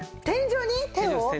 天井に？